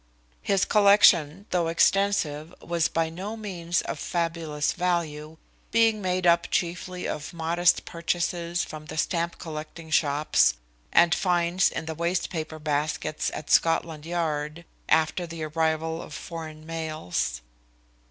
His collection, though extensive, was by no means of fabulous value, being made up chiefly of modest purchases from the stamp collecting shops, and finds in the waste paper baskets at Scotland Yard after the arrival of the foreign mails.